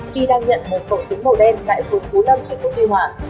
khi đăng nhận một khẩu súng màu đen tại phường phú lâm thành phố nguyên hòa